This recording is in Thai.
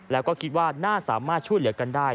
แล้วก็คิดว่าน่าสามารถช่วยเหลือกันได้